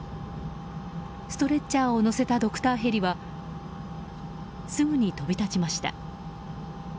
ストレッチャーを載せたドクターヘリはすぐに飛び立ちました。